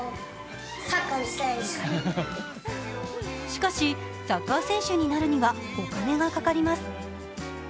しかし、サッカー選手になるにはお金がかかります。